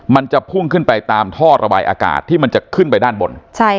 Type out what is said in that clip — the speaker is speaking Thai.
มันจะพุ่งขึ้นไปตามท่อระบายอากาศที่มันจะขึ้นไปด้านบน